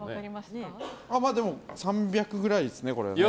でも、３００くらいですね。